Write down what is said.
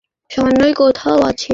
সামনেই কোথাও আছে।